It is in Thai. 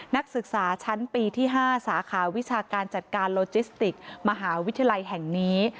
นักศึกษาชั้นปีที่๕สาขาวิชาการจัดการโลจิสติกมหาวิทยาลัยแห่งนี้